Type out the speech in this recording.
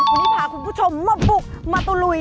วันนี้พาคุณผู้ชมมาบุกมาตุลุย